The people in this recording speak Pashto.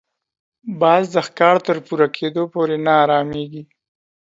باز د ښکار تر پوره کېدو پورې نه اراميږي